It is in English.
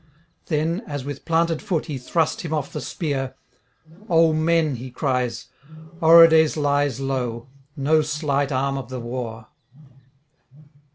Then, as with planted foot, he thrust him off the spear: 'O men,' he cries, 'Orodes lies low, no slight arm of the war.'